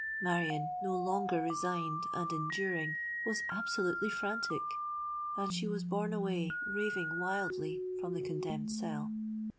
Marion, no longer resigned and enduring, was absolutely frantic; and she was borne away, raving wildly, from the condemned cell.